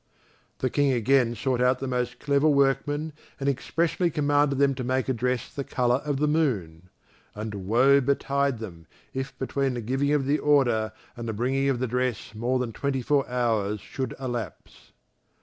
The King again sought out the most clever workmen and expressly commanded them to make a dress the colour of the moon; and woe betide them if between the giving of the order and the bringing of the dress more than twenty four hours should elapse.